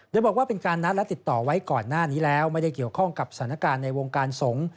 โดยบอกว่าเป็นการนัดและติดต่อไว้ก่อนหน้านี้แล้วไม่ได้เกี่ยวข้องกับสถานการณ์ในวงการสงฆ์